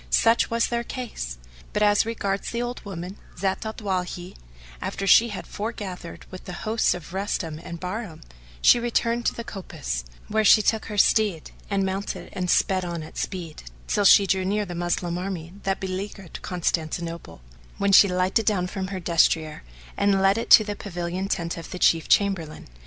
Such was their case; but as regards the old woman, Zat al Dawahi, after she had foregathered with the hosts of Rustam and Bahram, she returned to the coppice, where she took her steed and mounted and sped on at speed, till she drew near the Moslem army that beleaguered Constantinople, when she lighted down from her destrier and led it to the pavilion tent of the Chief Chamberlain.